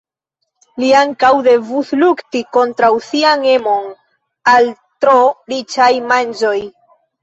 Li ankaŭ devus lukti kontraŭ sian emon al tro riĉaj manĝoj.